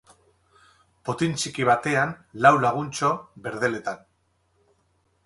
Potin txiki batean lau laguntxo, berdeletan.